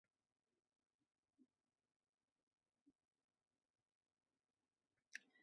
Una màxima és una proposició o principi que és veritable guia la conducta humana